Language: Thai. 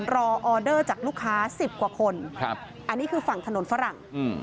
ออเดอร์จากลูกค้าสิบกว่าคนครับอันนี้คือฝั่งถนนฝรั่ง